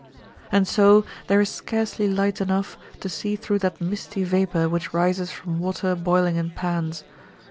And so there is scarcely light enough to see through that misty vapour which rises from water boiling in pans.